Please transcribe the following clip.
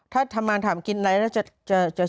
ถ้าทำมาถามกินอะไรจะกลับมารับ